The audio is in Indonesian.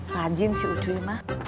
rajin sih ucu mah